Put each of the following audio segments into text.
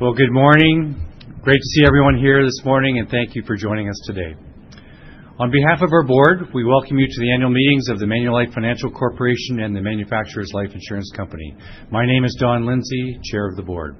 Good morning. Great to see everyone here this morning, and thank you for joining us today. On behalf of our board, we welcome you to the annual meetings of the Manulife Financial Corporation and the Manufacturers Life Insurance Company. My name is Don Lindsay, Chair of the Board.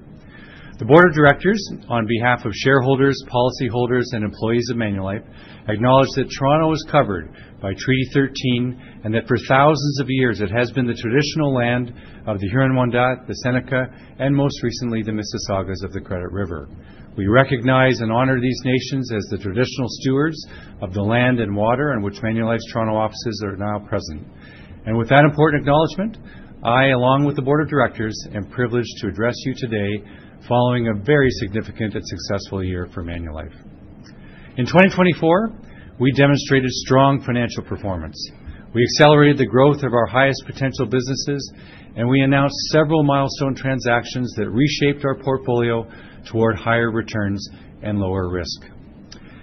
The Board of Directors, on behalf of shareholders, policyholders, and employees of Manulife, acknowledge that Toronto is covered by Treaty 13 and that for thousands of years it has been the traditional land of the Huron-Wendat, the Seneca, and most recently the Mississaugas of the Credit River. We recognize and honor these nations as the traditional stewards of the land and water on which Manulife's Toronto offices are now present. With that important acknowledgment, I, along with the Board of Directors, am privileged to address you today following a very significant and successful year for Manulife. In 2024, we demonstrated strong financial performance. We accelerated the growth of our highest potential businesses, and we announced several milestone transactions that reshaped our portfolio toward higher returns and lower risk.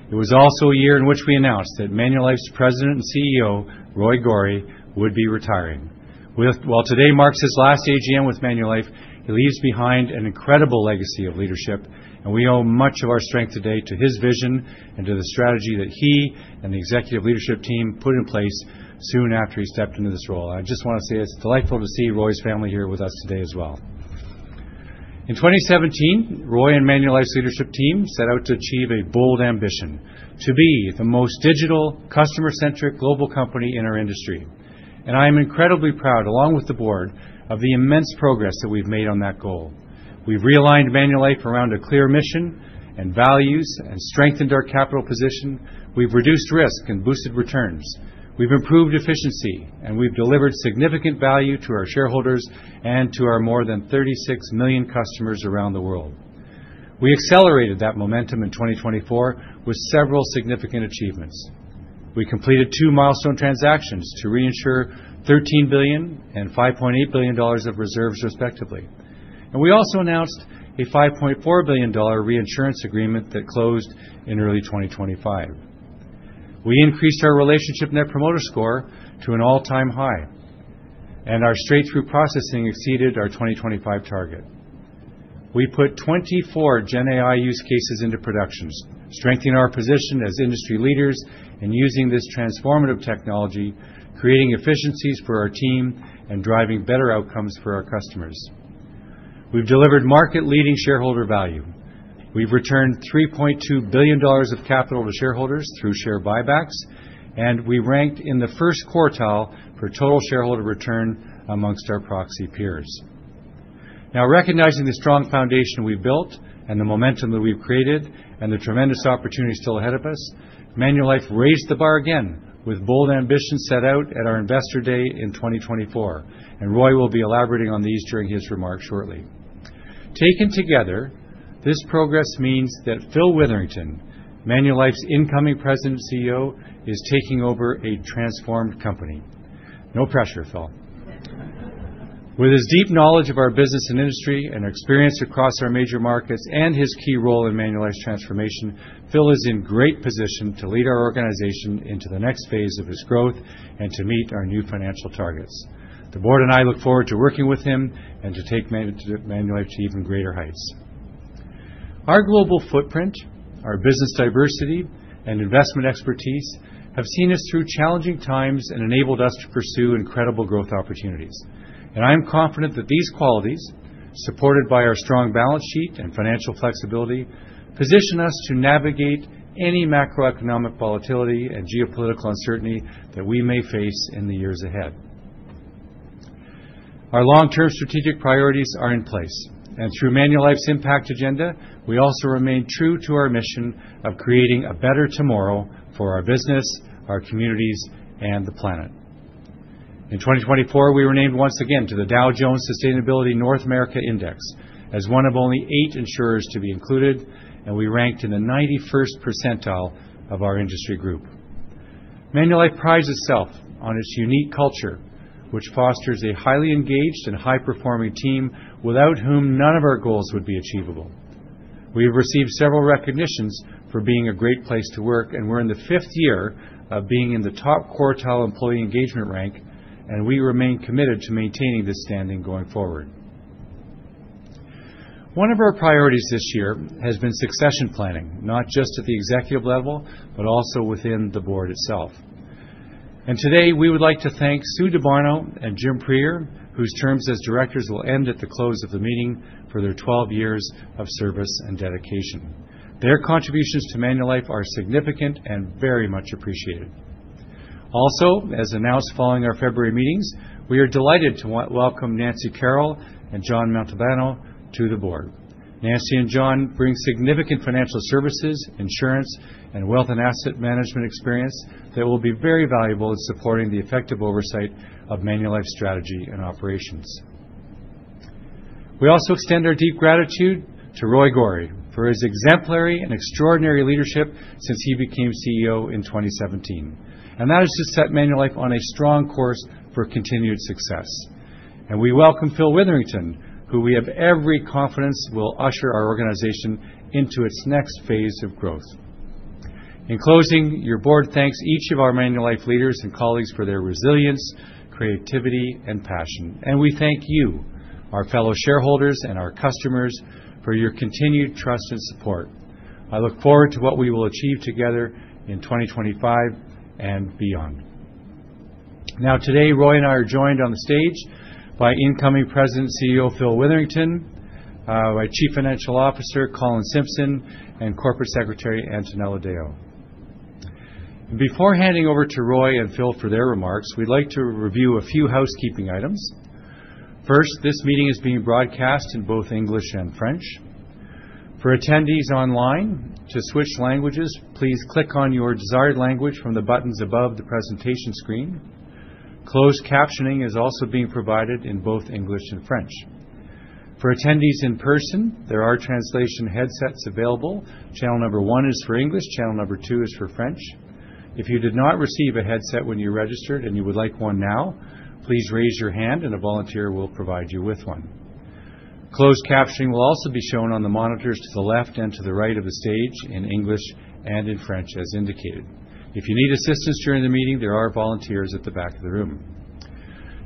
It was also a year in which we announced that Manulife's President and CEO, Roy Gori, would be retiring. While today marks his last AGM with Manulife, he leaves behind an incredible legacy of leadership, and we owe much of our strength today to his vision and to the strategy that he and the executive leadership team put in place soon after he stepped into this role. I just want to say it's delightful to see Roy's family here with us today as well. In 2017, Roy and Manulife's leadership team set out to achieve a bold ambition: to be the most digital, customer-centric global company in our industry. I am incredibly proud, along with the board, of the immense progress that we've made on that goal. We've realigned Manulife around a clear mission and values and strengthened our capital position. We've reduced risk and boosted returns. We've improved efficiency, and we've delivered significant value to our shareholders and to our more than 36 million customers around the world. We accelerated that momentum in 2024 with several significant achievements. We completed two milestone transactions to reinsure $13 billion and $5.8 billion of reserves, respectively. We also announced a $5.4 billion reinsurance agreement that closed in early 2025. We increased our Relationship Net Promoter Score to an all-time high, and our straight-through processing exceeded our 2025 target. We put 24 GenAI use cases into production, strengthening our position as industry leaders and using this transformative technology, creating efficiencies for our team and driving better outcomes for our customers. We've delivered market-leading shareholder value. We've returned $3.2 billion of capital to shareholders through share buybacks, and we ranked in the first quartile for total shareholder return amongst our proxy peers. Now, recognizing the strong foundation we've built and the momentum that we've created and the tremendous opportunity still ahead of us, Manulife raised the bar again with bold ambitions set out at our Investor Day in 2024. Roy will be elaborating on these during his remarks shortly. Taken together, this progress means that Phil Witherington, Manulife's incoming President and CEO, is taking over a transformed company. No pressure, Phil. With his deep knowledge of our business and industry and experience across our major markets and his key role in Manulife's transformation, Phil is in great position to lead our organization into the next phase of its growth and to meet our new financial targets. The board and I look forward to working with him and to take Manulife to even greater heights. Our global footprint, our business diversity, and investment expertise have seen us through challenging times and enabled us to pursue incredible growth opportunities. I am confident that these qualities, supported by our strong balance sheet and financial flexibility, position us to navigate any macroeconomic volatility and geopolitical uncertainty that we may face in the years ahead. Our long-term strategic priorities are in place. Through Manulife's Impact Agenda, we also remain true to our mission of creating a better tomorrow for our business, our communities, and the planet. In 2024, we were named once again to the Dow Jones Sustainability North America Index as one of only eight insurers to be included, and we ranked in the 91st percentile of our industry group. Manulife prides itself on its unique culture, which fosters a highly engaged and high-performing team without whom none of our goals would be achievable. We have received several recognitions for being a great place to work, and we're in the fifth year of being in the top quartile employee engagement rank, and we remain committed to maintaining this standing going forward. One of our priorities this year has been succession planning, not just at the executive level, but also within the board itself. We would like to thank Sue Dabarno and Jim Prieur, whose terms as directors will end at the close of the meeting for their 12 years of service and dedication. Their contributions to Manulife are significant and very much appreciated. Also, as announced following our February meetings, we are delighted to welcome Nancy Carr and John Montalbano to the board. Nancy and John bring significant financial services, insurance, and wealth and asset management experience that will be very valuable in supporting the effective oversight of Manulife's strategy and operations. We also extend our deep gratitude to Roy Gori for his exemplary and extraordinary leadership since he became CEO in 2017. That has just set Manulife on a strong course for continued success. We welcome Phil Witherington, who we have every confidence will usher our organization into its next phase of growth. In closing, your board thanks each of our Manulife leaders and colleagues for their resilience, creativity, and passion. We thank you, our fellow shareholders and our customers, for your continued trust and support. I look forward to what we will achieve together in 2025 and beyond. Now, today, Roy and I are joined on the stage by incoming President and CEO Phil Witherington, by Chief Financial Officer Colin Simpson, and Corporate Secretary Antonella Deo. Before handing over to Roy and Phil for their remarks, we'd like to review a few housekeeping items. First, this meeting is being broadcast in both English and French. For attendees online to switch languages, please click on your desired language from the buttons above the presentation screen. Closed captioning is also being provided in both English and French. For attendees in person, there are translation headsets available. Channel number one is for English. Channel number two is for French. If you did not receive a headset when you registered and you would like one now, please raise your hand and a volunteer will provide you with one. Closed captioning will also be shown on the monitors to the left and to the right of the stage in English and in French, as indicated. If you need assistance during the meeting, there are volunteers at the back of the room.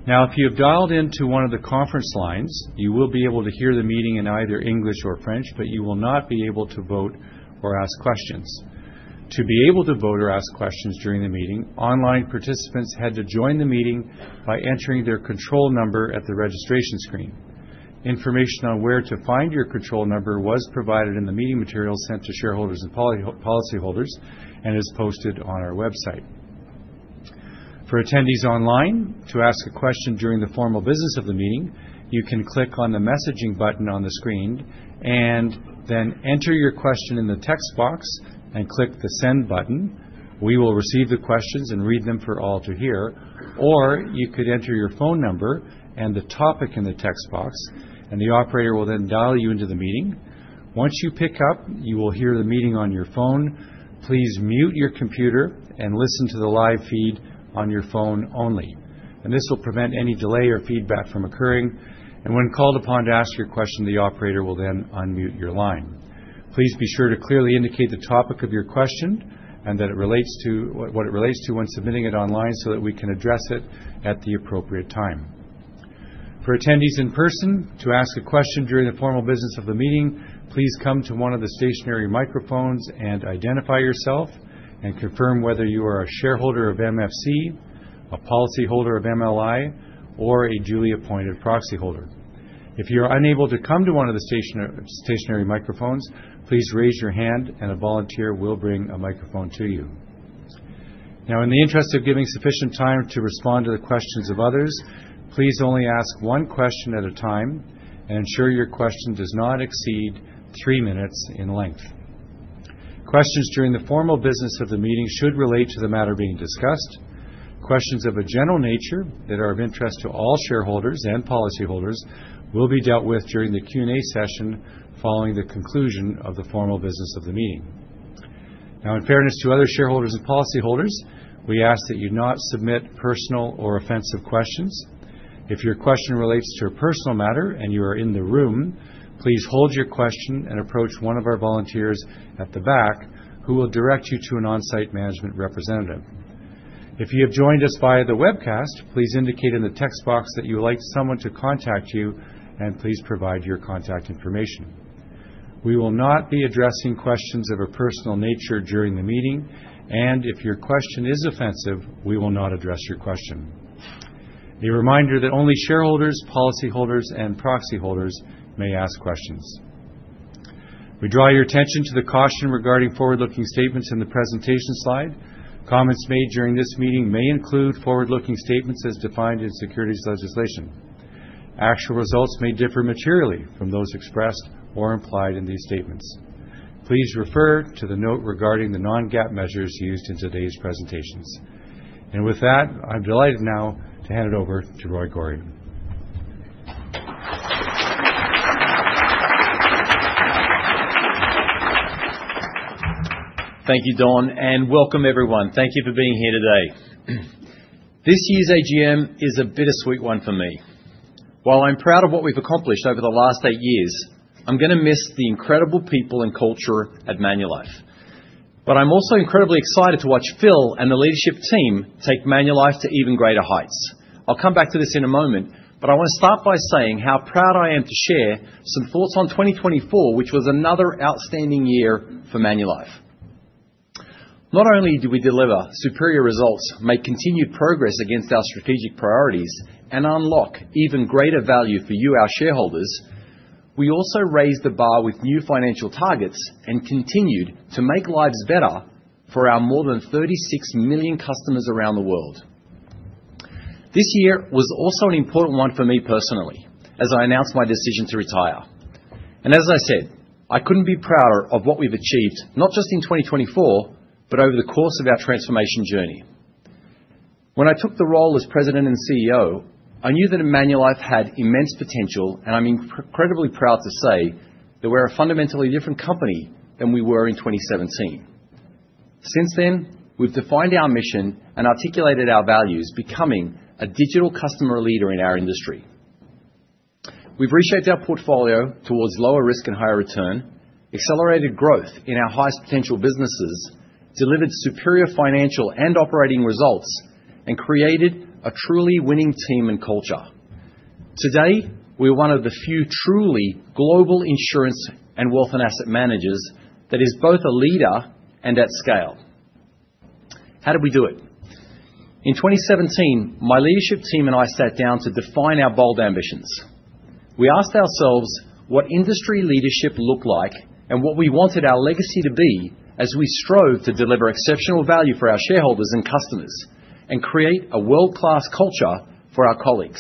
Now, if you have dialed into one of the conference lines, you will be able to hear the meeting in either English or French, but you will not be able to vote or ask questions. To be able to vote or ask questions during the meeting, online participants had to join the meeting by entering their control number at the registration screen. Information on where to find your control number was provided in the meeting materials sent to shareholders and policyholders and is posted on our website. For attendees online to ask a question during the formal business of the meeting, you can click on the messaging button on the screen and then enter your question in the text box and click the send button. We will receive the questions and read them for all to hear. You could enter your phone number and the topic in the text box, and the operator will then dial you into the meeting. Once you pick up, you will hear the meeting on your phone. Please mute your computer and listen to the live feed on your phone only. This will prevent any delay or feedback from occurring. When called upon to ask your question, the operator will then unmute your line. Please be sure to clearly indicate the topic of your question and that it relates to what it relates to when submitting it online so that we can address it at the appropriate time. For attendees in person, to ask a question during the formal business of the meeting, please come to one of the stationary microphones and identify yourself and confirm whether you are a shareholder of MFC, a policyholder of MLI, or a duly appointed proxy holder. If you are unable to come to one of the stationary microphones, please raise your hand and a volunteer will bring a microphone to you. Now, in the interest of giving sufficient time to respond to the questions of others, please only ask one question at a time and ensure your question does not exceed three minutes in length. Questions during the formal business of the meeting should relate to the matter being discussed. Questions of a general nature that are of interest to all shareholders and policyholders will be dealt with during the Q&A session following the conclusion of the formal business of the meeting. Now, in fairness to other shareholders and policyholders, we ask that you not submit personal or offensive questions. If your question relates to a personal matter and you are in the room, please hold your question and approach one of our volunteers at the back who will direct you to an on-site management representative. If you have joined us via the webcast, please indicate in the text box that you would like someone to contact you and please provide your contact information. We will not be addressing questions of a personal nature during the meeting, and if your question is offensive, we will not address your question. A reminder that only shareholders, policyholders, and proxy holders may ask questions. We draw your attention to the caution regarding forward-looking statements in the presentation slide. Comments made during this meeting may include forward-looking statements as defined in securities legislation. Actual results may differ materially from those expressed or implied in these statements. Please refer to the note regarding the non-GAAP measures used in today's presentations. With that, I'm delighted now to hand it over to Roy Gori. Thank you, Don, and welcome, everyone. Thank you for being here today. This year's AGM is a bittersweet one for me. While I'm proud of what we've accomplished over the last eight years, I'm going to miss the incredible people and culture at Manulife. I am also incredibly excited to watch Phil and the leadership team take Manulife to even greater heights. I will come back to this in a moment, but I want to start by saying how proud I am to share some thoughts on 2024, which was another outstanding year for Manulife. Not only did we deliver superior results, make continued progress against our strategic priorities, and unlock even greater value for you, our shareholders, we also raised the bar with new financial targets and continued to make lives better for our more than 36 million customers around the world. This year was also an important one for me personally, as I announced my decision to retire. As I said, I could not be prouder of what we have achieved, not just in 2024, but over the course of our transformation journey. When I took the role as President and CEO, I knew that Manulife had immense potential, and I'm incredibly proud to say that we're a fundamentally different company than we were in 2017. Since then, we've defined our mission and articulated our values, becoming a digital customer leader in our industry. We've reshaped our portfolio towards lower risk and higher return, accelerated growth in our highest potential businesses, delivered superior financial and operating results, and created a truly winning team and culture. Today, we're one of the few truly global insurance and wealth and asset managers that is both a leader and at scale. How did we do it? In 2017, my leadership team and I sat down to define our bold ambitions. We asked ourselves what industry leadership looked like and what we wanted our legacy to be as we strove to deliver exceptional value for our shareholders and customers and create a world-class culture for our colleagues.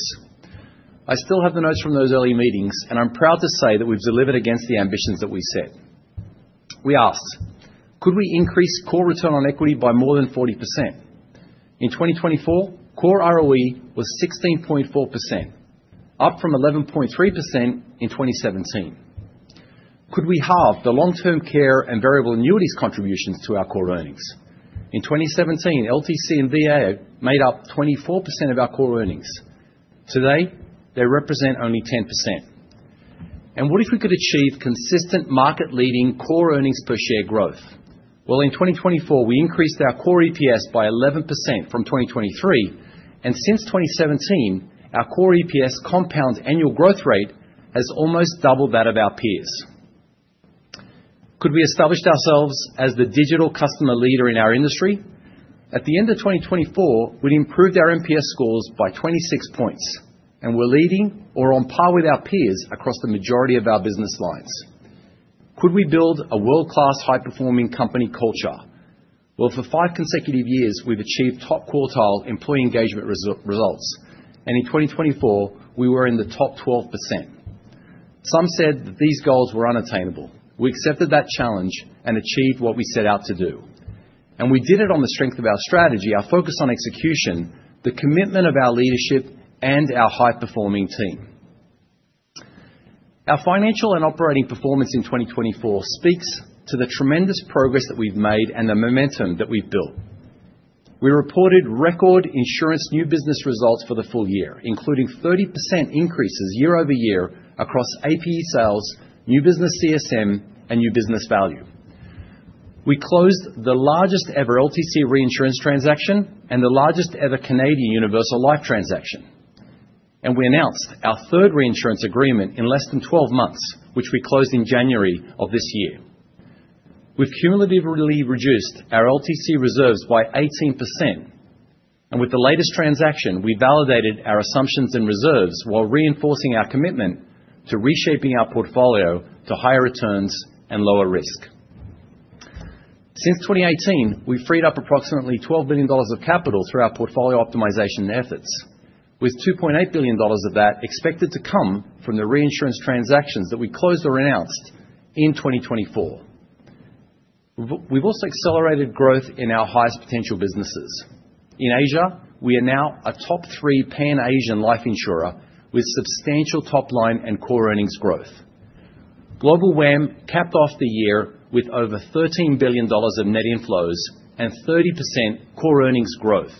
I still have the notes from those early meetings, and I'm proud to say that we've delivered against the ambitions that we set. We asked, could we increase core return on equity by more than 40%? In 2024, core ROE was 16.4%, up from 11.3% in 2017. Could we halve the long-term care and variable annuities contributions to our core earnings? In 2017, LTC and VA made up 24% of our core earnings. Today, they represent only 10%. What if we could achieve consistent market-leading core earnings per share growth? In 2024, we increased our core EPS by 11% from 2023, and since 2017, our core EPS compound annual growth rate has almost doubled that of our peers. Could we establish ourselves as the digital customer leader in our industry? At the end of 2024, we had improved our NPS scores by 26 points, and we are leading or on par with our peers across the majority of our business lines. Could we build a world-class high-performing company culture? For five consecutive years, we have achieved top quartile employee engagement results, and in 2024, we were in the top 12%. Some said that these goals were unattainable. We accepted that challenge and achieved what we set out to do. We did it on the strength of our strategy, our focus on execution, the commitment of our leadership, and our high-performing team. Our financial and operating performance in 2024 speaks to the tremendous progress that we've made and the momentum that we've built. We reported record insurance new business results for the full year, including 30% increases year over year across APE sales, new business CSM, and new business value. We closed the largest ever LTC reinsurance transaction and the largest ever Canadian universal life transaction. We announced our third reinsurance agreement in less than 12 months, which we closed in January of this year. We've cumulatively reduced our LTC reserves by 18%. With the latest transaction, we validated our assumptions and reserves while reinforcing our commitment to reshaping our portfolio to higher returns and lower risk. Since 2018, we've freed up approximately $12 billion of capital through our portfolio optimization efforts, with $2.8 billion of that expected to come from the reinsurance transactions that we closed or announced in 2024. We've also accelerated growth in our highest potential businesses. In Asia, we are now a top three Pan-Asian life insurer with substantial top-line and core earnings growth. Global WAM capped off the year with over $13 billion of net inflows and 30% core earnings growth.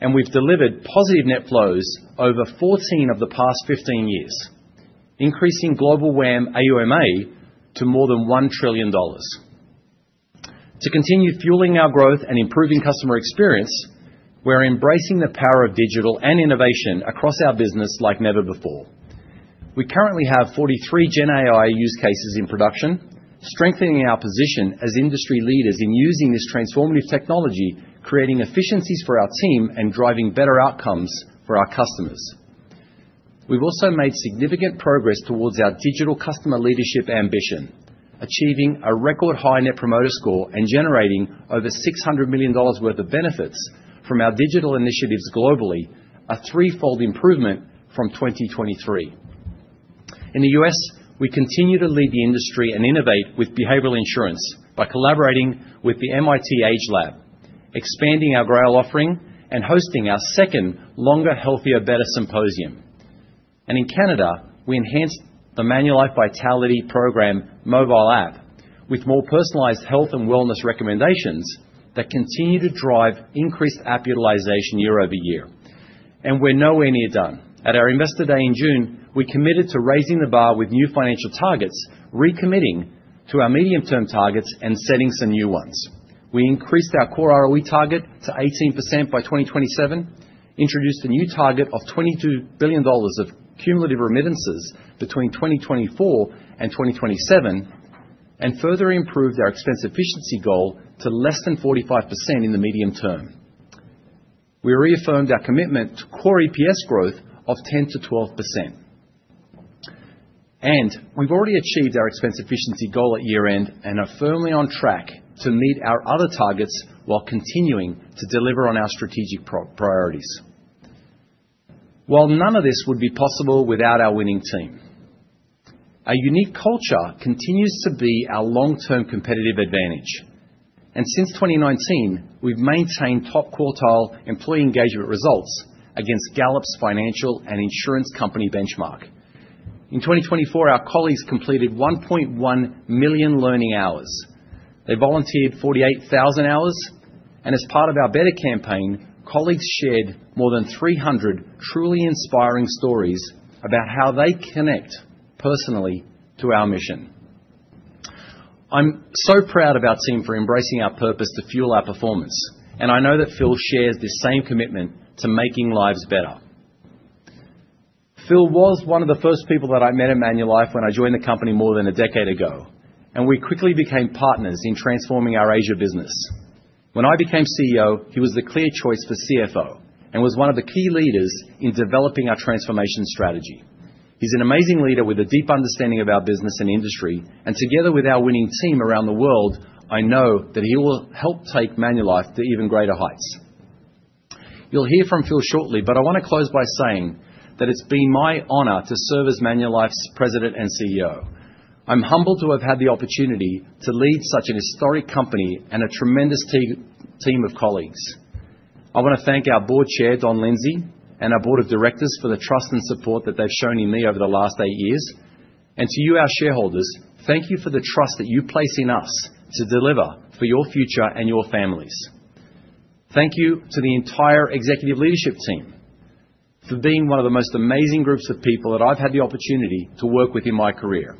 We have delivered positive net flows over 14 of the past 15 years, increasing global WAM AUMA to more than $1 trillion. To continue fueling our growth and improving customer experience, we're embracing the power of digital and innovation across our business like never before. We currently have 43 GenAI use cases in production, strengthening our position as industry leaders in using this transformative technology, creating efficiencies for our team and driving better outcomes for our customers. We have also made significant progress towards our digital customer leadership ambition, achieving a record high net promoter score and generating over $600 million worth of benefits from our digital initiatives globally, a threefold improvement from 2023. In the U.S., we continue to lead the industry and innovate with behavioral insurance by collaborating with the MIT AgeLab, expanding our Grail offering, and hosting our second longer, healthier, better symposium. In Canada, we enhanced the Manulife Vitality Program mobile app with more personalized health and wellness recommendations that continue to drive increased app utilization year over year. We are nowhere near done. At our Investor Day in June, we committed to raising the bar with new financial targets, recommitting to our medium-term targets and setting some new ones. We increased our core ROE target to 18% by 2027, introduced a new target of $22 billion of cumulative remittances between 2024 and 2027, and further improved our expense efficiency goal to less than 45% in the medium term. We reaffirmed our commitment to core EPS growth of 10%-12%. We have already achieved our expense efficiency goal at year-end and are firmly on track to meet our other targets while continuing to deliver on our strategic priorities. None of this would be possible without our winning team. Our unique culture continues to be our long-term competitive advantage. Since 2019, we have maintained top quartile employee engagement results against Gallup's financial and insurance company benchmark. In 2024, our colleagues completed 1.1 million learning hours. They volunteered 48,000 hours. As part of our Better Campaign, colleagues shared more than 300 truly inspiring stories about how they connect personally to our mission. I'm so proud of our team for embracing our purpose to fuel our performance, and I know that Phil shares this same commitment to making lives better. Phil was one of the first people that I met at Manulife when I joined the company more than a decade ago, and we quickly became partners in transforming our Asia business. When I became CEO, he was the clear choice for CFO and was one of the key leaders in developing our transformation strategy. He's an amazing leader with a deep understanding of our business and industry, and together with our winning team around the world, I know that he will help take Manulife to even greater heights. You'll hear from Phil shortly, but I want to close by saying that it's been my honor to serve as Manulife's President and CEO. I'm humbled to have had the opportunity to lead such a historic company and a tremendous team of colleagues. I want to thank our Board Chair, Don Lindsay, and our Board of Directors for the trust and support that they've shown in me over the last eight years. To you, our shareholders, thank you for the trust that you place in us to deliver for your future and your families. Thank you to the entire executive leadership team for being one of the most amazing groups of people that I've had the opportunity to work with in my career.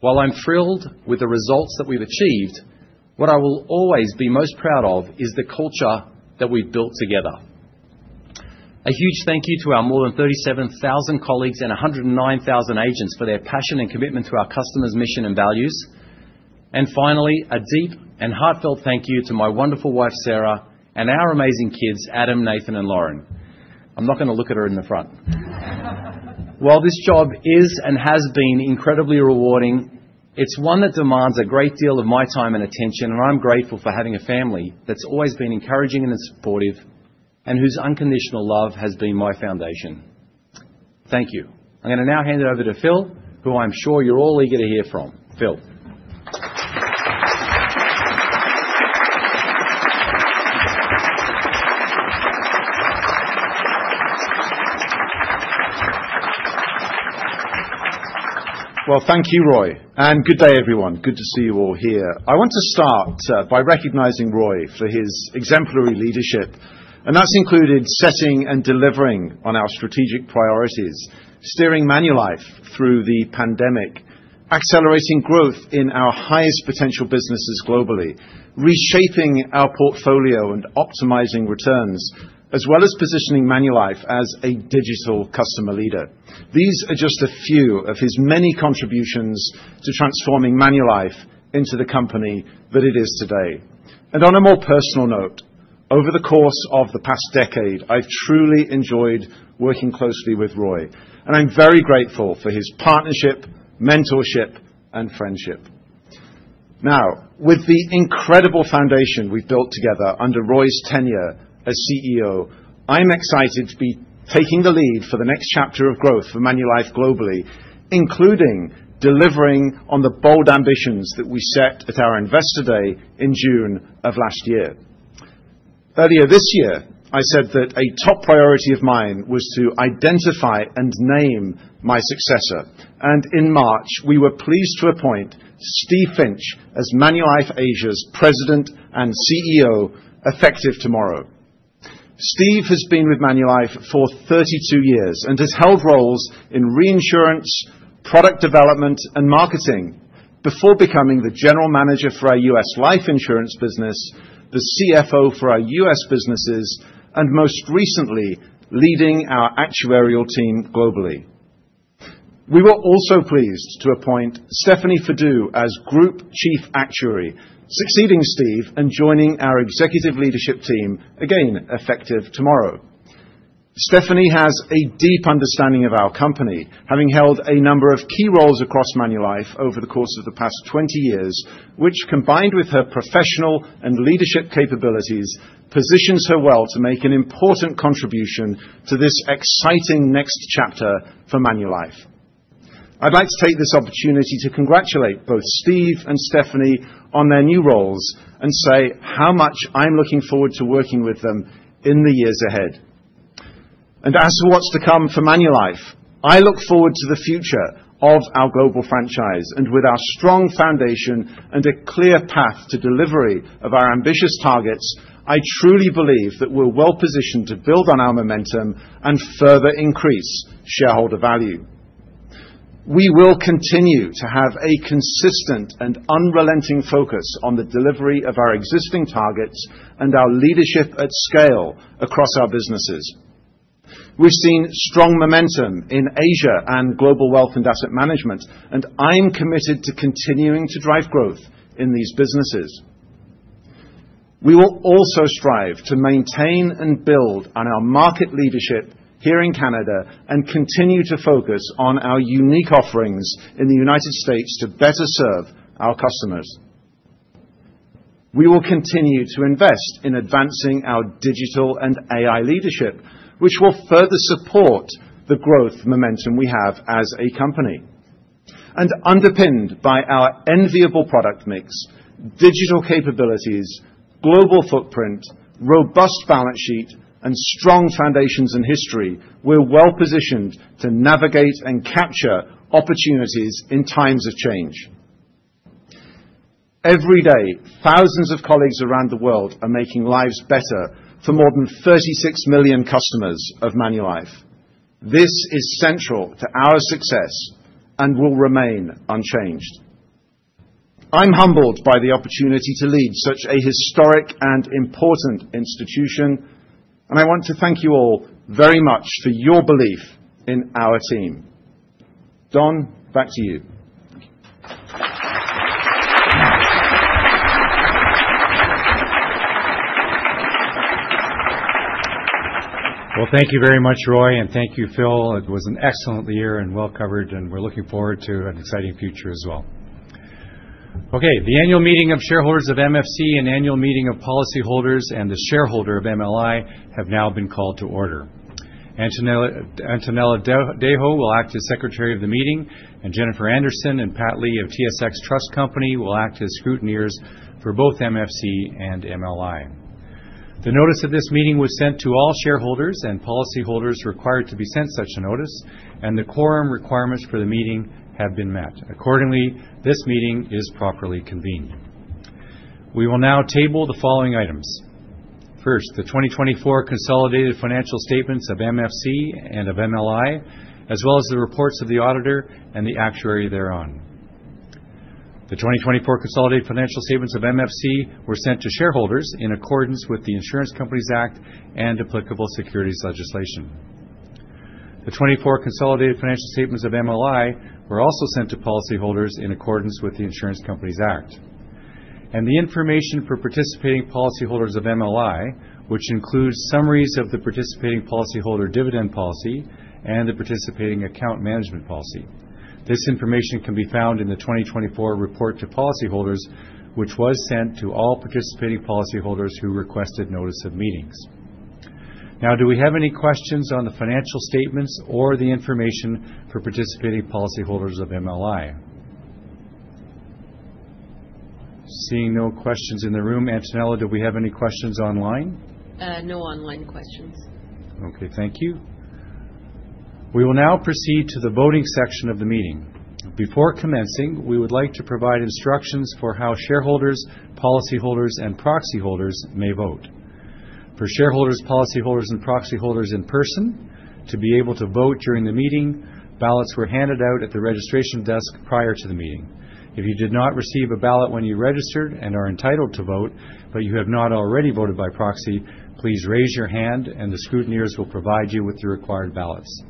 While I'm thrilled with the results that we've achieved, what I will always be most proud of is the culture that we've built together. A huge thank you to our more than 37,000 colleagues and 109,000 agents for their passion and commitment to our customers' mission and values. Finally, a deep and heartfelt thank you to my wonderful wife, Sarah, and our amazing kids, Adam, Nathan, and Lauren. I'm not going to look at her in the front. While this job is and has been incredibly rewarding, it's one that demands a great deal of my time and attention, and I'm grateful for having a family that's always been encouraging and supportive and whose unconditional love has been my foundation. Thank you. I'm going to now hand it over to Phil, who I'm sure you're all eager to hear from. Phil. Thank you, Roy. Good day, everyone. Good to see you all here. I want to start by recognizing Roy for his exemplary leadership, and that's included setting and delivering on our strategic priorities, steering Manulife through the pandemic, accelerating growth in our highest potential businesses globally, reshaping our portfolio and optimizing returns, as well as positioning Manulife as a digital customer leader. These are just a few of his many contributions to transforming Manulife into the company that it is today. On a more personal note, over the course of the past decade, I've truly enjoyed working closely with Roy, and I'm very grateful for his partnership, mentorship, and friendship. Now, with the incredible foundation we have built together under Roy's tenure as CEO, I am excited to be taking the lead for the next chapter of growth for Manulife globally, including delivering on the bold ambitions that we set at our Investor Day in June of last year. Earlier this year, I said that a top priority of mine was to identify and name my successor. In March, we were pleased to appoint Steve Finch as Manulife Asia's President and CEO effective tomorrow. Steve has been with Manulife for 32 years and has held roles in reinsurance, product development, and marketing before becoming the General Manager for our U.S. life insurance business, the CFO for our U.S. businesses, and most recently, leading our actuarial team globally. We were also pleased to appoint Stephanie Fadous as Group Chief Actuary, succeeding Steve and joining our executive leadership team again effective tomorrow. Stephanie has a deep understanding of our company, having held a number of key roles across Manulife over the course of the past 20 years, which, combined with her professional and leadership capabilities, positions her well to make an important contribution to this exciting next chapter for Manulife. I would like to take this opportunity to congratulate both Steve and Stephanie on their new roles and say how much I'm looking forward to working with them in the years ahead. As for what is to come for Manulife, I look forward to the future of our global franchise. With our strong foundation and a clear path to delivery of our ambitious targets, I truly believe that we're well positioned to build on our momentum and further increase shareholder value. We will continue to have a consistent and unrelenting focus on the delivery of our existing targets and our leadership at scale across our businesses. We've seen strong momentum in Asia and Global Wealth and Asset Management, and I'm committed to continuing to drive growth in these businesses. We will also strive to maintain and build on our market leadership here in Canada and continue to focus on our unique offerings in the United States to better serve our customers. We will continue to invest in advancing our digital and AI leadership, which will further support the growth momentum we have as a company. Underpinned by our enviable product mix, digital capabilities, global footprint, robust balance sheet, and strong foundations and history, we're well positioned to navigate and capture opportunities in times of change. Every day, thousands of colleagues around the world are making lives better for more than 36 million customers of Manulife. This is central to our success and will remain unchanged. I'm humbled by the opportunity to lead such a historic and important institution, and I want to thank you all very much for your belief in our team. Don, back to you. Thank you. Thank you very much, Roy, and thank you, Phil. It was an excellent year and well covered, and we're looking forward to an exciting future as well. The annual meeting of shareholders of MFC and annual meeting of policyholders and the shareholder of MLI have now been called to order. Antonella Deo will act as Secretary of the Meeting, and Jennifer Anderson and Pat Lee of TSX Trust Company will act as scrutineers for both MFC and MLI. The notice of this meeting was sent to all shareholders and policyholders required to be sent such a notice, and the quorum requirements for the meeting have been met. Accordingly, this meeting is properly convened. We will now table the following items. First, the 2024 consolidated financial statements of MFC and of MLI, as well as the reports of the Auditor and the Actuary thereon. The 2024 consolidated financial statements of MFC were sent to shareholders in accordance with the Insurance Companies Act and applicable securities legislation. The 2024 consolidated financial statements of MLI were also sent to policyholders in accordance with the Insurance Companies Act. The information for participating policyholders of MLI, which includes summaries of the participating policyholder dividend policy and the participating account management policy. This information can be found in the 2024 report to policyholders, which was sent to all participating policyholders who requested notice of meetings. Now, do we have any questions on the financial statements or the information for participating policyholders of MLI? Seeing no questions in the room, Antonella, do we have any questions online? No online questions. Okay, thank you. We will now proceed to the voting section of the meeting. Before commencing, we would like to provide instructions for how shareholders, policyholders, and proxy holders may vote. For shareholders, policyholders, and proxy holders in person to be able to vote during the meeting, ballots were handed out at the registration desk prior to the meeting. If you did not receive a ballot when you registered and are entitled to vote, but you have not already voted by proxy, please raise your hand, and the scrutineers will provide you with the required ballots.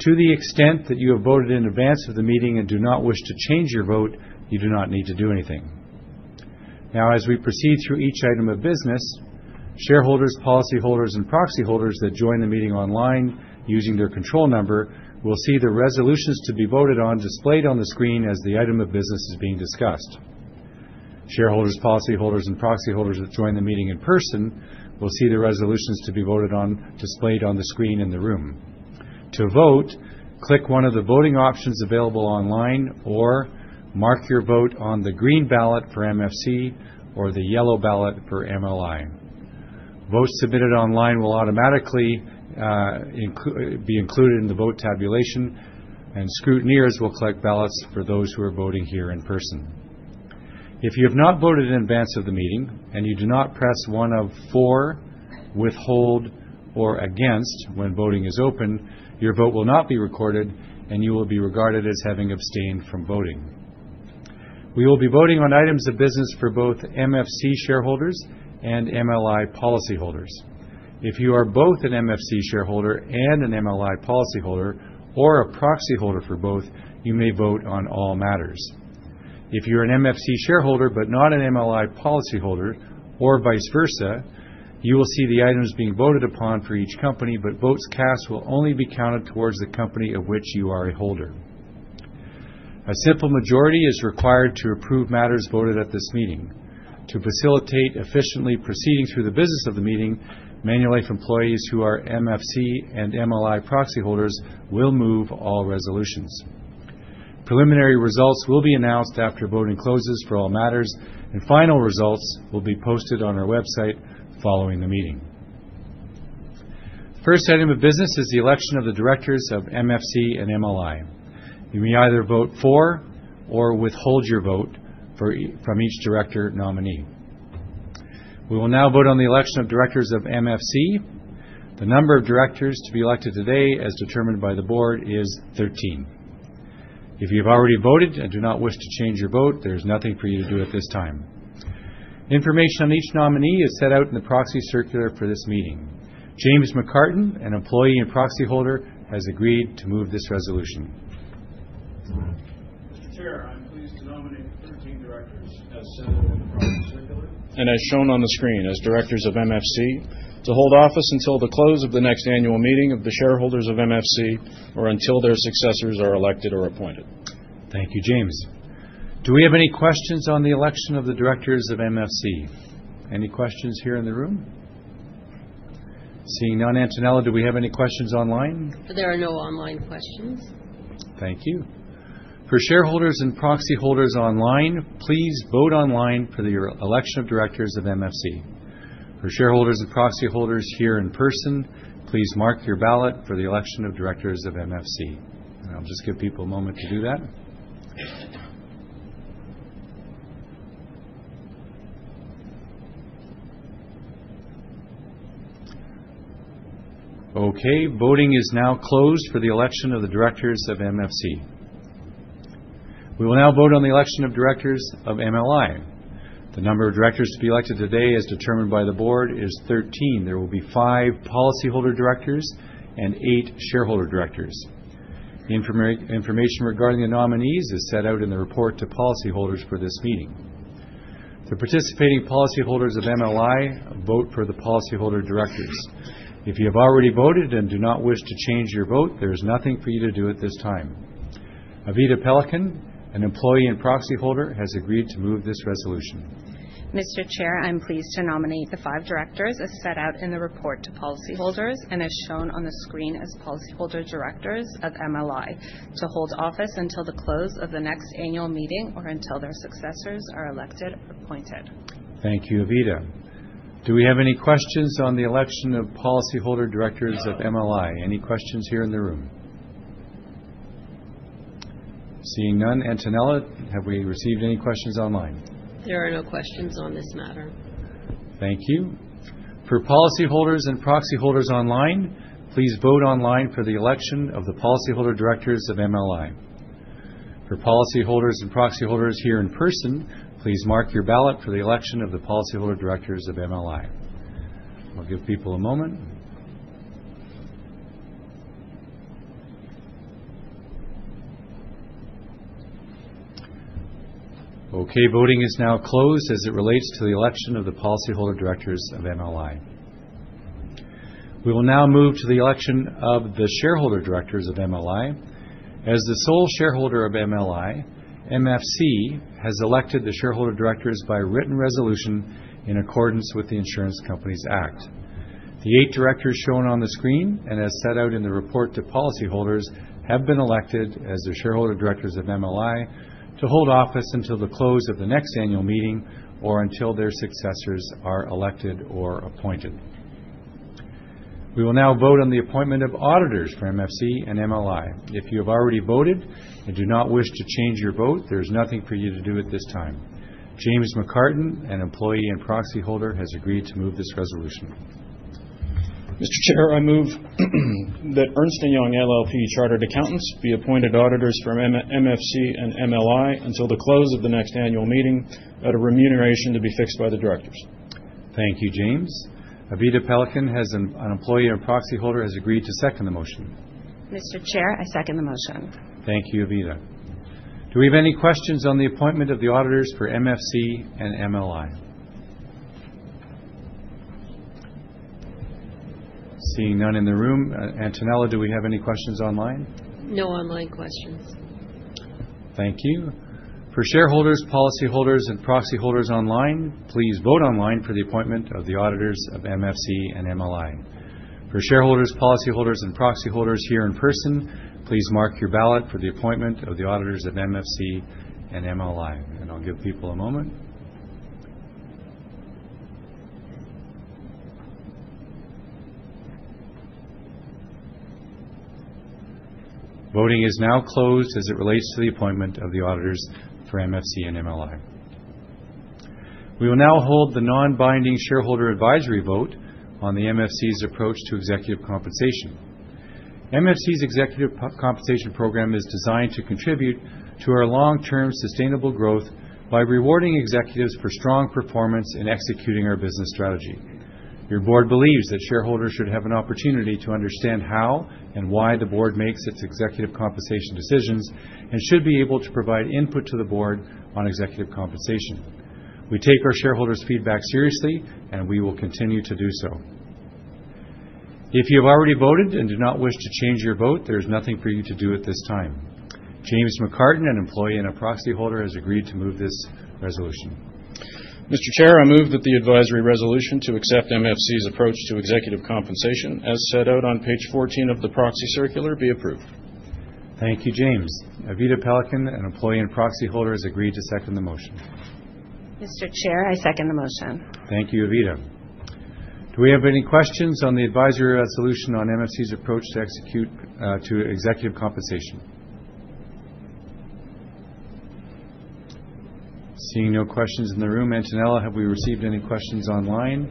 To the extent that you have voted in advance of the meeting and do not wish to change your vote, you do not need to do anything. As we proceed through each item of business, shareholders, policyholders, and proxy holders that join the meeting online using their control number will see the resolutions to be voted on displayed on the screen as the item of business is being discussed. Shareholders, policyholders, and proxy holders that join the meeting in person will see the resolutions to be voted on displayed on the screen in the room. To vote, click one of the voting options available online or mark your vote on the green ballot for MFC or the yellow ballot for MLI. Votes submitted online will automatically be included in the vote tabulation, and scrutineers will collect ballots for those who are voting here in person. If you have not voted in advance of the meeting and you do not press one of four withhold or against when voting is open, your vote will not be recorded, and you will be regarded as having abstained from voting. We will be voting on items of business for both MFC shareholders and MLI policyholders. If you are both an MFC shareholder and an MLI policyholder or a proxy holder for both, you may vote on all matters. If you are an MFC shareholder but not an MLI policyholder or vice versa, you will see the items being voted upon for each company, but votes cast will only be counted towards the company of which you are a holder. A simple majority is required to approve matters voted at this meeting. To facilitate efficiently proceeding through the business of the meeting, Manulife employees who are MFC and MLI proxy holders will move all resolutions. Preliminary results will be announced after voting closes for all matters, and final results will be posted on our website following the meeting. The first item of business is the election of the directors of MFC and MLI. You may either vote for or withhold your vote from each director nominee. We will now vote on the election of directors of MFC. The number of directors to be elected today, as determined by the board, is 13. If you've already voted and do not wish to change your vote, there is nothing for you to do at this time. Information on each nominee is set out in the proxy circular for this meeting. James McCartin, an employee and proxy holder, has agreed to move this resolution. Mr. Chair, I'm pleased to nominate the 13 directors as set out in the proxy circular and as shown on the screen as directors of MFC to hold office until the close of the next annual meeting of the shareholders of MFC or until their successors are elected or appointed. Thank you, James. Do we have any questions on the election of the directors of MFC? Any questions here in the room? Seeing none, Antonella, do we have any questions online? There are no online questions. Thank you. For shareholders and proxy holders online, please vote online for the election of directors of MFC. For shareholders and proxy holders here in person, please mark your ballot for the election of directors of MFC. I'll just give people a moment to do that. Okay, voting is now closed for the election of the directors of MFC. We will now vote on the election of directors of MLI. The number of directors to be elected today, as determined by the board, is 13. There will be five policyholder directors and eight shareholder directors. Information regarding the nominees is set out in the report to policyholders for this meeting. The participating policyholders of MLI vote for the policyholder directors. If you have already voted and do not wish to change your vote, there is nothing for you to do at this time. Abida Pelkin, an employee and proxy holder, has agreed to move this resolution. Mr. Chair, I'm pleased to nominate the five directors as set out in the report to policyholders and as shown on the screen as policyholder directors of MLI to hold office until the close of the next annual meeting or until their successors are elected or appointed. Thank you, Abida. Do we have any questions on the election of policyholder directors of MLI? Any questions here in the room? Seeing none, Antonella, have we received any questions online? There are no questions on this matter. Thank you. For policyholders and proxy holders online, please vote online for the election of the policyholder directors of MLI. For policyholders and proxy holders here in person, please mark your ballot for the election of the policyholder directors of MLI. I'll give people a moment. Okay, voting is now closed as it relates to the election of the policyholder directors of MLI. We will now move to the election of the shareholder directors of MLI. As the sole shareholder of MLI, MFC has elected the shareholder directors by written resolution in accordance with the Insurance Companies Act. The eight directors shown on the screen and as set out in the report to policyholders have been elected as the shareholder directors of MLI to hold office until the close of the next annual meeting or until their successors are elected or appointed. We will now vote on the appointment of auditors for MFC and MLI. If you have already voted and do not wish to change your vote, there is nothing for you to do at this time. James McCartin, an employee and proxy holder, has agreed to move this resolution. Mr. Chair, I move that Ernst & Young LLP Chartered Accountants be appointed auditors for MFC and MLI until the close of the next annual meeting at a remuneration to be fixed by the directors. Thank you, James. Abida Pelkin, an employee and proxy holder, has agreed to second the motion. Mr. Chair, I second the motion. Thank you, Abida. Do we have any questions on the appointment of the auditors for MFC and MLI? Seeing none in the room. Antonella, do we have any questions online? No online questions. Thank you. For shareholders, policy holders, and proxy holders online, please vote online for the appointment of the auditors of MFC and MLI. For shareholders, policy holders, and proxy holders here in person, please mark your ballot for the appointment of the auditors of MFC and MLI. I'll give people a moment. Voting is now closed as it relates to the appointment of the auditors for MFC and MLI. We will now hold the non-binding shareholder advisory vote on the MFC's approach to executive compensation. MFC's executive compensation program is designed to contribute to our long-term sustainable growth by rewarding executives for strong performance in executing our business strategy. Your board believes that shareholders should have an opportunity to understand how and why the board makes its executive compensation decisions and should be able to provide input to the board on executive compensation. We take our shareholders' feedback seriously, and we will continue to do so. If you have already voted and do not wish to change your vote, there is nothing for you to do at this time. James McCartin, an employee and a proxy holder, has agreed to move this resolution. Mr. Chair, I move that the advisory resolution to accept MFC's approach to executive compensation, as set out on page 14 of the proxy circular, be approved. Thank you, James. Abida Pelkin, an employee and proxy holder, has agreed to second the motion. Mr. Chair, I second the motion. Thank you, Abida. Do we have any questions on the advisory resolution on MFC's approach to executive compensation? Seeing no questions in the room, Antonella, have we received any questions online?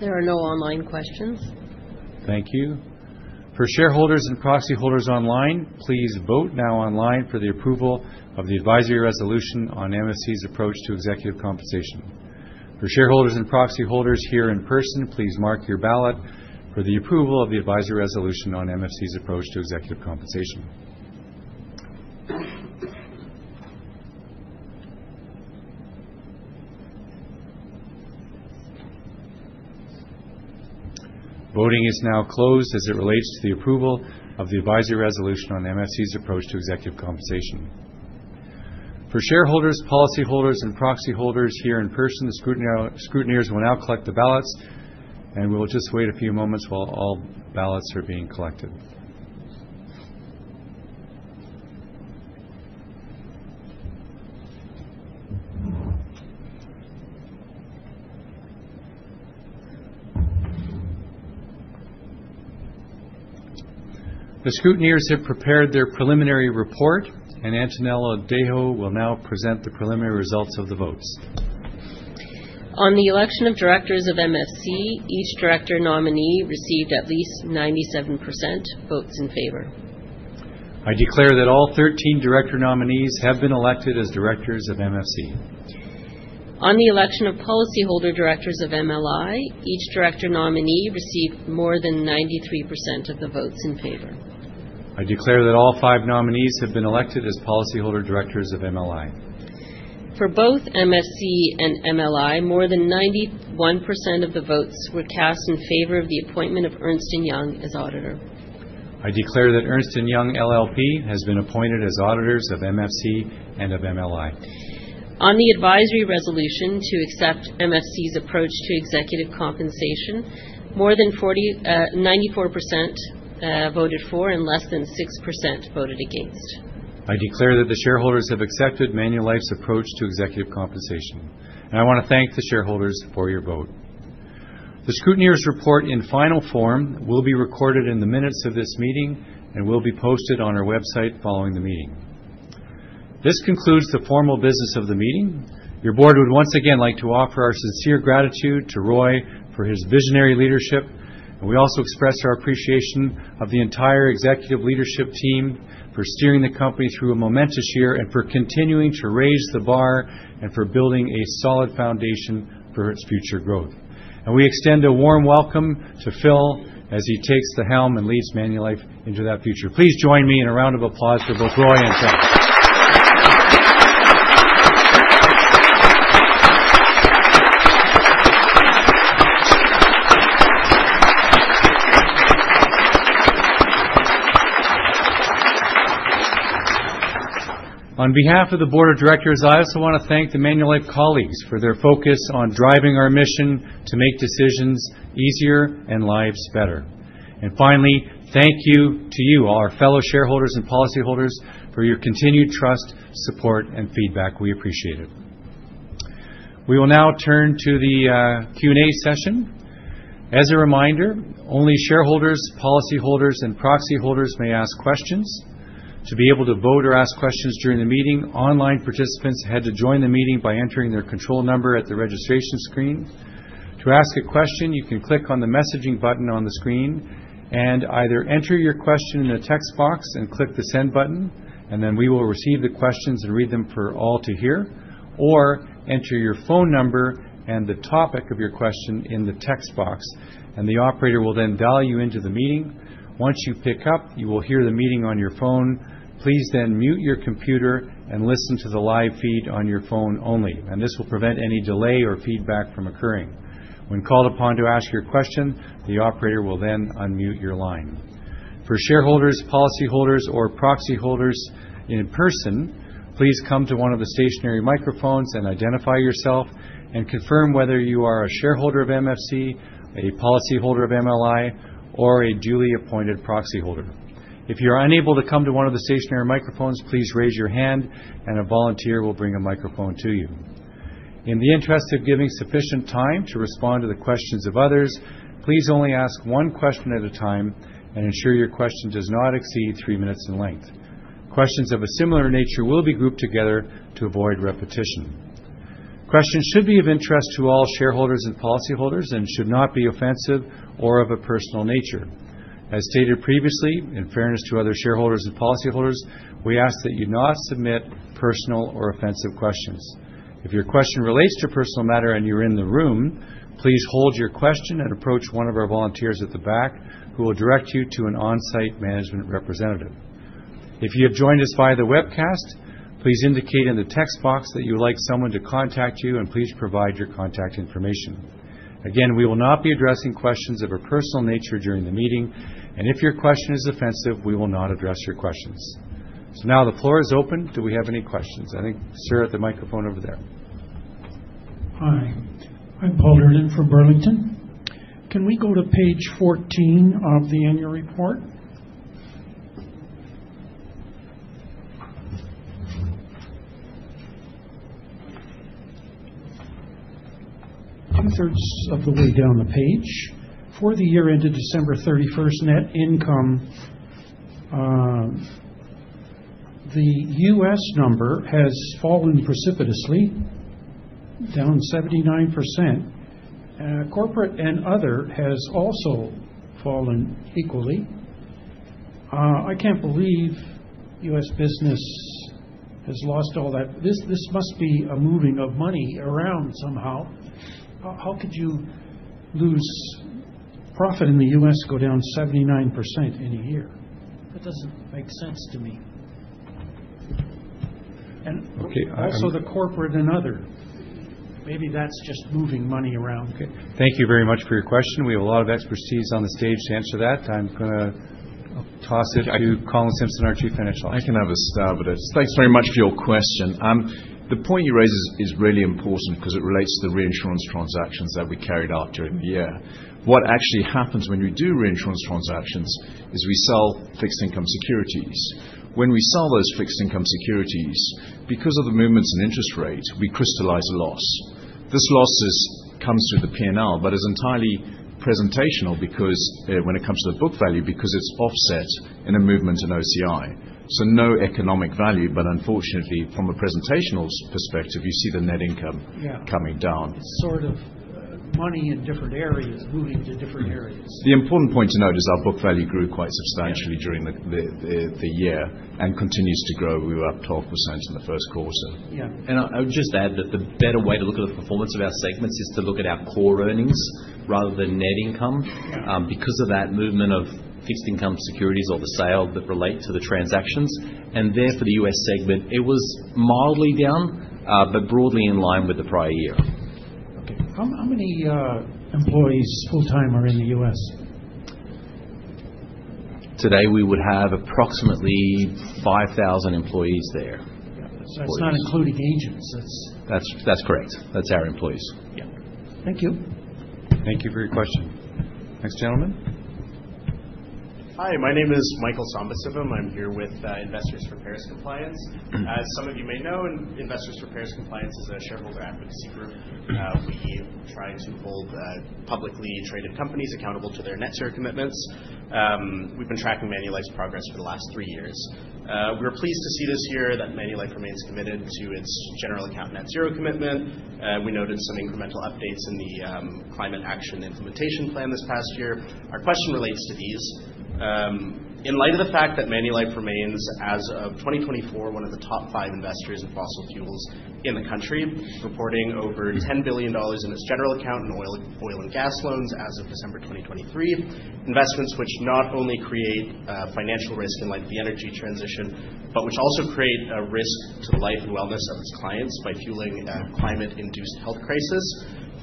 There are no online questions. Thank you. For shareholders and proxy holders online, please vote now online for the approval of the advisory resolution on MFC's approach to executive compensation. For shareholders and proxy holders here in person, please mark your ballot for the approval of the advisory resolution on MFC's approach to executive compensation. Voting is now closed as it relates to the approval of the advisory resolution on MFC's approach to executive compensation. For shareholders, policyholders, and proxy holders here in person, the scrutineers will now collect the ballots, and we'll just wait a few moments while all ballots are being collected. The scrutineers have prepared their preliminary report, and Antonella Deo will now present the preliminary results of the votes. On the election of directors of MFC, each director nominee received at least 97% votes in favor. I declare that all 13 director nominees have been elected as directors of MFC. On the election of policyholder directors of MLI, each director nominee received more than 93% of the votes in favor. I declare that all five nominees have been elected as policyholder directors of MLI. For both MFC and MLI, more than 91% of the votes were cast in favor of the appointment of Ernst & Young as auditor. I declare that Ernst & Young LLP has been appointed as auditors of MFC and of MLI. On the advisory resolution to accept MFC's approach to executive compensation, more than 94% voted for and less than 6% voted against. I declare that the shareholders have accepted Manulife's approach to executive compensation. I want to thank the shareholders for your vote. The scrutineers' report in final form will be recorded in the minutes of this meeting and will be posted on our website following the meeting. This concludes the formal business of the meeting. Your board would once again like to offer our sincere gratitude to Roy for his visionary leadership. We also express our appreciation of the entire executive leadership team for steering the company through a momentous year and for continuing to raise the bar and for building a solid foundation for its future growth. We extend a warm welcome to Phil as he takes the helm and leads Manulife into that future. Please join me in a round of applause for both Roy and Phil. On behalf of the board of directors, I also want to thank the Manulife colleagues for their focus on driving our mission to make decisions easier and lives better. Finally, thank you to you, our fellow shareholders and policyholders, for your continued trust, support, and feedback. We appreciate it. We will now turn to the Q&A session. As a reminder, only shareholders, policyholders, and proxy holders may ask questions. To be able to vote or ask questions during the meeting, online participants had to join the meeting by entering their control number at the registration screen. To ask a question, you can click on the messaging button on the screen and either enter your question in the text box and click the send button, and then we will receive the questions and read them for all to hear, or enter your phone number and the topic of your question in the text box, and the operator will then dial you into the meeting. Once you pick up, you will hear the meeting on your phone. Please then mute your computer and listen to the live feed on your phone only, and this will prevent any delay or feedback from occurring. When called upon to ask your question, the operator will then unmute your line. For shareholders, policyholders, or proxy holders in person, please come to one of the stationary microphones and identify yourself and confirm whether you are a shareholder of MFC, a policyholder of MLI, or a duly appointed proxy holder. If you are unable to come to one of the stationary microphones, please raise your hand, and a volunteer will bring a microphone to you. In the interest of giving sufficient time to respond to the questions of others, please only ask one question at a time and ensure your question does not exceed three minutes in length. Questions of a similar nature will be grouped together to avoid repetition. Questions should be of interest to all shareholders and policyholders and should not be offensive or of a personal nature. As stated previously, in fairness to other shareholders and policyholders, we ask that you not submit personal or offensive questions. If your question relates to a personal matter and you're in the room, please hold your question and approach one of our volunteers at the back who will direct you to an on-site management representative. If you have joined us via the webcast, please indicate in the text box that you would like someone to contact you and please provide your contact information. Again, we will not be addressing questions of a personal nature during the meeting, and if your question is offensive, we will not address your questions. Now the floor is open. Do we have any questions? I think sir at the microphone over there. Hi. I'm Paul Durdin from Burlington. Can we go to page 14 of the annual report? Two-thirds of the way down the page. For the year ended December 31st, net income, the U.S. number has fallen precipitously, down 79%. Corporate and other has also fallen equally. I can't believe U.S. business has lost all that. This must be a moving of money around somehow. How could you lose profit in the US, go down 79% in a year? That doesn't make sense to me. Also the corporate and other. Maybe that's just moving money around. Okay. Thank you very much for your question. We have a lot of expertise on the stage to answer that. I'm going to toss it to Colin Simpson, our Chief Financial Officer. I can have a stab, but thanks very much for your question. The point you raise is really important because it relates to the reinsurance transactions that we carried out during the year. What actually happens when we do reinsurance transactions is we sell fixed income securities. When we sell those fixed income securities, because of the movements in interest rates, we crystallize a loss. This loss comes through the P&L, but it's entirely presentational when it comes to the book value because it's offset in a movement in OCI. No economic value, but unfortunately, from a presentational perspective, you see the net income coming down. Sort of money in different areas moving to different areas. The important point to note is our book value grew quite substantially during the year and continues to grow. We were up 12% in the first quarter. Yeah. I would just add that the better way to look at the performance of our segments is to look at our core earnings rather than net income because of that movement of fixed income securities or the sale that relates to the transactions. For the U.S. segment, it was mildly down, but broadly in line with the prior year. Okay. How many employees full-time are in the US? Today, we would have approximately 5,000 employees there. That's not including agents. That's correct. That's our employees. Yeah. Thank you. Thank you for your question. Next gentleman. Hi. My name is Michael Sambasivam. I'm here with Investors for Paris Compliance. As some of you may know, Investors for Paris Compliance is a shareholder advocacy group. We try to hold publicly traded companies accountable to their net zero commitments. We've been tracking Manulife's progress for the last three years. We're pleased to see this year that Manulife remains committed to its General Account net zero commitment. We noted some incremental updates in the Climate Action Implementation Plan this past year. Our question relates to these. In light of the fact that Manulife remains, as of 2024, one of the top five investors in fossil fuels in the country, reporting over $10 billion in its General Account and oil and gas loans as of December 2023, investments which not only create financial risk in light of the energy transition, but which also create a risk to the life and wellness of its clients by fueling a climate-induced health crisis.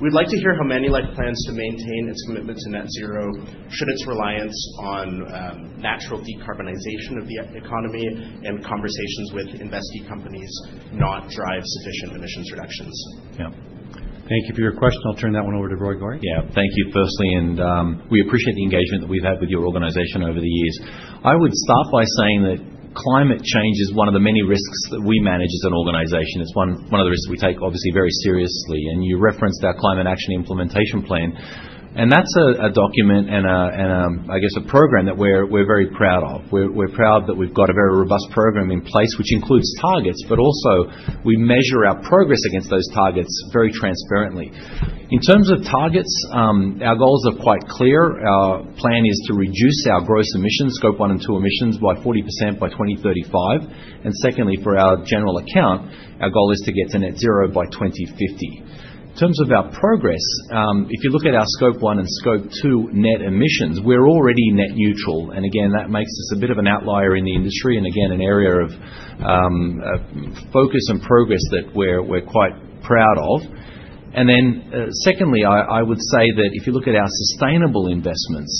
We'd like to hear how Manulife plans to maintain its commitment to net zero should its reliance on natural decarbonization of the economy and conversations with investee companies not drive sufficient emissions reductions. Thank you for your question. I'll turn that one over to Roy Gori. Thank you firstly, and we appreciate the engagement that we've had with your organization over the years. I would start by saying that climate change is one of the many risks that we manage as an organization. It's one of the risks we take, obviously, very seriously. You referenced our Climate Action Implementation Plan, and that's a document and, I guess, a program that we're very proud of. We're proud that we've got a very robust program in place, which includes targets, but also we measure our progress against those targets very transparently. In terms of targets, our goals are quite clear. Our plan is to reduce our gross emissions, Scope 1 and 2 emissions, by 40% by 2035. Secondly, for our general account, our goal is to get to net zero by 2050. In terms of our progress, if you look at our Scope 1 and Scope 2 net emissions, we're already net neutral. That makes us a bit of an outlier in the industry and, again, an area of focus and progress that we're quite proud of. Secondly, I would say that if you look at our sustainable investments,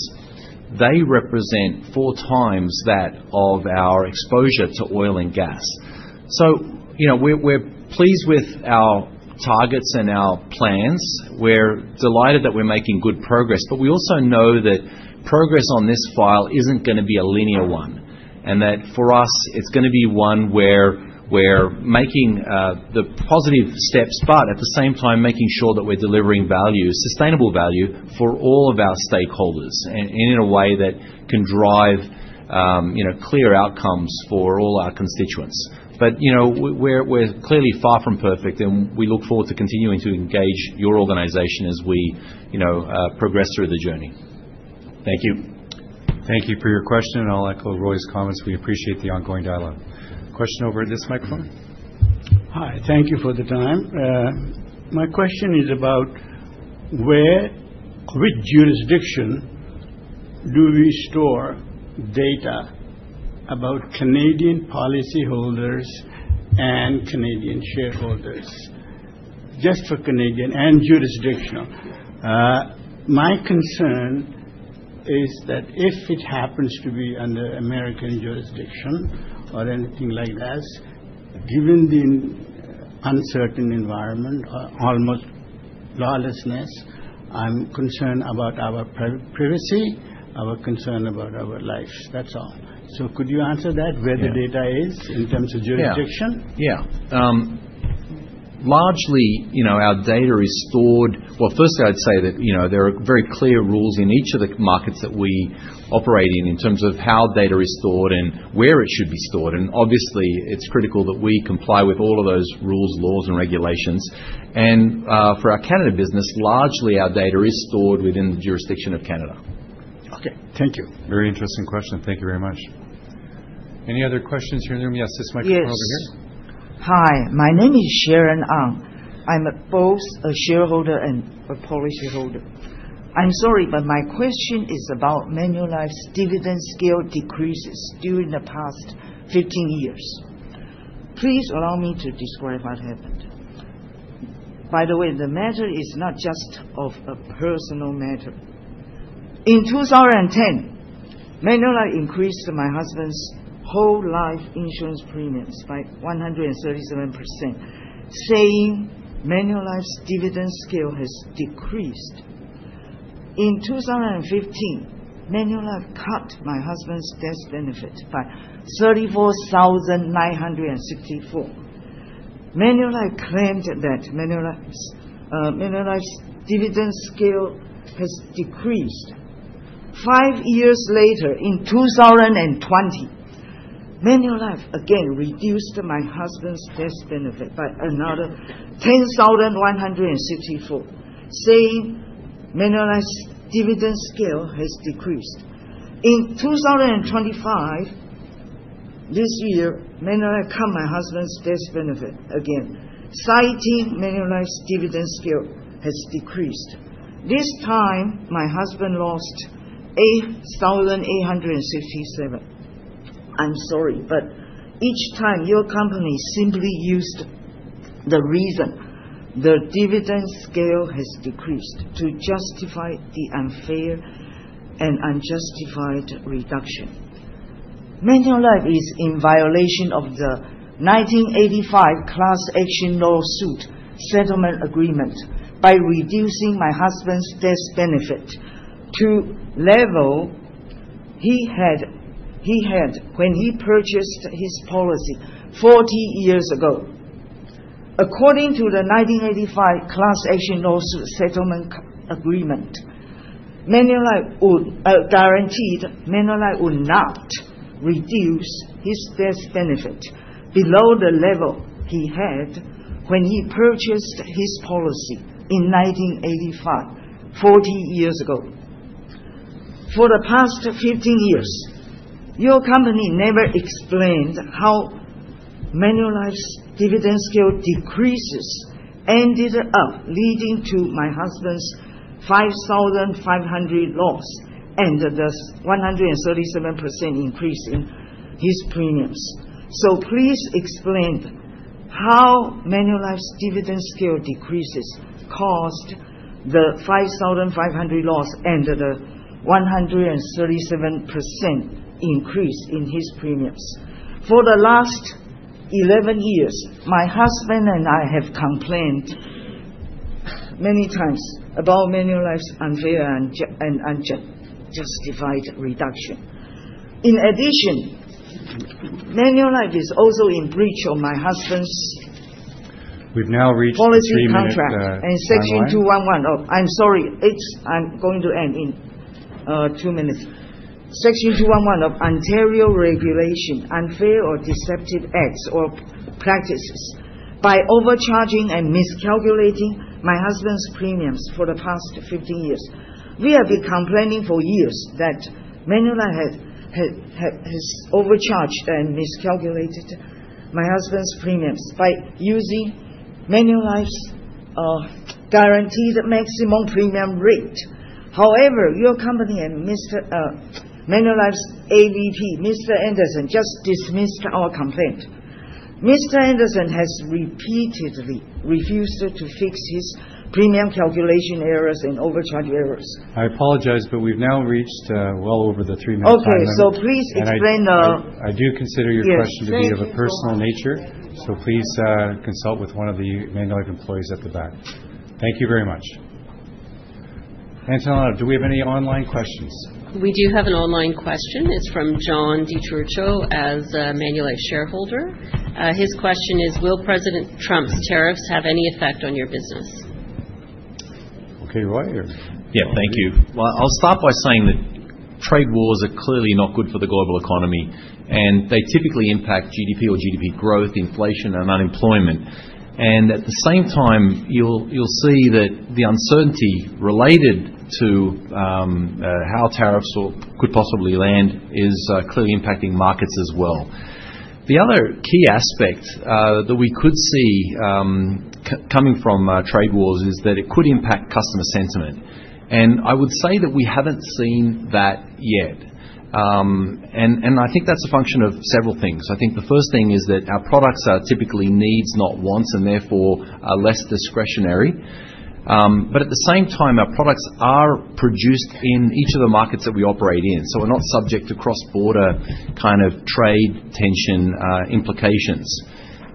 they represent four times that of our exposure to oil and gas. We're pleased with our targets and our plans. We're delighted that we're making good progress, but we also know that progress on this file is not going to be a linear one and that for us, it's going to be one where we're making the positive steps, but at the same time, making sure that we're delivering sustainable value for all of our stakeholders in a way that can drive clear outcomes for all our constituents. We're clearly far from perfect, and we look forward to continuing to engage your organization as we progress through the journey. Thank you. Thank you for your question, and I'll echo Roy's comments. We appreciate the ongoing dialogue. Question over at this microphone. Hi. Thank you for the time. My question is about which jurisdiction do we store data about Canadian policyholders and Canadian shareholders? Just for Canadian and jurisdictional. My concern is that if it happens to be under American jurisdiction or anything like that, given the uncertain environment, almost lawlessness, I'm concerned about our privacy, our concern about our lives. That's all. Could you answer that, where the data is in terms of jurisdiction? Yeah. Largely, our data is stored, firstly, I'd say that there are very clear rules in each of the markets that we operate in in terms of how data is stored and where it should be stored. Obviously, it's critical that we comply with all of those rules, laws, and regulations. For our Canada business, largely, our data is stored within the jurisdiction of Canada. Okay. Thank you. Very interesting question. Thank you very much. Any other questions here in the room? Yes, this microphone over here. Yes. Hi. My name is Sharon Ng. I'm both a shareholder and a policyholder. I'm sorry, but my question is about Manulife's dividend scale decreases during the past 15 years. Please allow me to describe what happened. By the way, the matter is not just of a personal matter. In 2010, Manulife increased my husband's whole life insurance premiums by 137%, saying Manulife's dividend scale has decreased. In 2015, Manulife cut my husband's death benefit by 34,964. Manulife claimed that Manulife's dividend scale has decreased. Five years later, in 2020, Manulife again reduced my husband's death benefit by another 10,164, saying Manulife's dividend scale has decreased. In 2025, this year, Manulife cut my husband's death benefit again, citing Manulife's dividend scale has decreased. This time, my husband lost $8,867. I'm sorry, but each time, your company simply used the reason the dividend scale has decreased to justify the unfair and unjustified reduction. Manulife is in violation of the 1985 Class Action Lawsuit Settlement Agreement by reducing my husband's death benefit to the level he had when he purchased his policy 40 years ago. According to the 1985 Class Action Lawsuit Settlement Agreement, Manulife guaranteed Manulife would not reduce his death benefit below the level he had when he purchased his policy in 1985, 40 years ago. For the past 15 years, your company never explained how Manulife's dividend scale decreases ended up leading to my husband's $5,500 loss and the 137% increase in his premiums. Please explain how Manulife's dividend scale decreases caused the $5,500 loss and the 137% increase in his premiums. For the last 11 years, my husband and I have complained many times about Manulife's unfair and unjustified reduction. In addition, Manulife is also in breach of my husband's policy. We have now reached the end of Ontario Regulation, Unfair or Deceptive Acts or Practices by overcharging and miscalculating my husband's premiums for the past 15 years. We have been complaining for years that Manulife has overcharged and miscalculated my husband's premiums by using Manulife's guaranteed maximum premium rate. However, your company and Manulife's AVP, Mr. Anderson, just dismissed our complaint. Mr. Anderson has repeatedly refused to fix his premium calculation errors and overcharge errors. I apologize, but we have now reached well over the three-minute mark. Okay. Please explain the. I do consider your question to be of a personal nature, so please consult with one of the Manulife employees at the back. Thank you very much. Antonella, do we have any online questions? We do have an online question. It's from John Detercho as a Manulife shareholder. His question is, "Will President Trump's tariffs have any effect on your business?" Okay, Roy, or? Yeah. Thank you. I will start by saying that trade wars are clearly not good for the global economy, and they typically impact GDP or GDP growth, inflation, and unemployment. At the same time, you will see that the uncertainty related to how tariffs could possibly land is clearly impacting markets as well. The other key aspect that we could see coming from trade wars is that it could impact customer sentiment. I would say that we haven't seen that yet. I think that's a function of several things. I think the first thing is that our products are typically needs, not wants, and therefore are less discretionary. At the same time, our products are produced in each of the markets that we operate in, so we're not subject to cross-border kind of trade tension implications.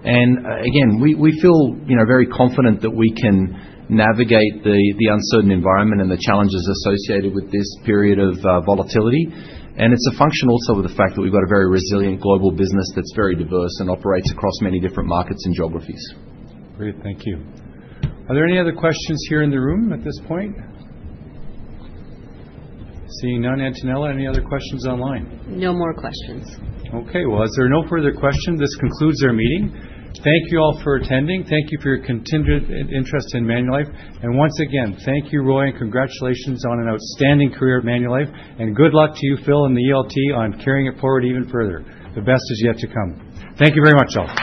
Again, we feel very confident that we can navigate the uncertain environment and the challenges associated with this period of volatility. It's a function also of the fact that we've got a very resilient global business that's very diverse and operates across many different markets and geographies. Great. Thank you. Are there any other questions here in the room at this point? Seeing none. Antonella, any other questions online? No more questions. Okay. As there are no further questions, this concludes our meeting. Thank you all for attending. Thank you for your continued interest in Manulife. Thank you, Roy, and congratulations on an outstanding career at Manulife. Good luck to you, Phil and the ELT, on carrying it forward even further. The best is yet to come. Thank you very much, all.